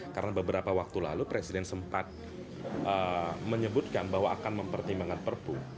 karena beberapa waktu lalu presiden sempat menyebutkan bahwa akan mempertimbangkan perpu